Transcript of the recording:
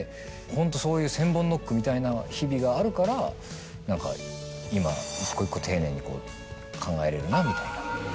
ホントそういう千本ノックみたいな日々があるから何か今一個一個丁寧に考えれるなみたいな。